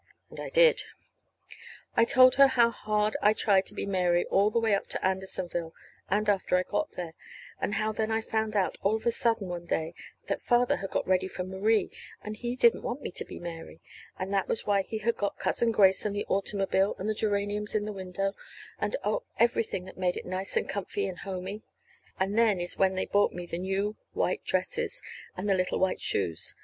And I did. I told her how hard I tried to be Mary all the way up to Andersonville and after I got there; and how then I found out, all of a sudden one day, that father had got ready for Marie, and he didn't want me to be Mary, and that was why he had got Cousin Grace and the automobile and the geraniums in the window, and, oh, everything that made it nice and comfy and homey. And then is when they bought me the new white dresses and the little white shoes.